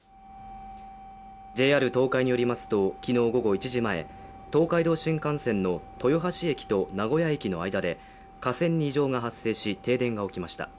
ＪＲ東海によりますと、昨日午後１時前、東海道新幹線の豊橋駅と名古屋駅の間で架線に異常が発生し、停電が起きました。